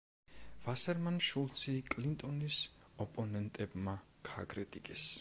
ვასერმან-შულცი კლინტონის ოპონენტებმა გააკრიტიკეს.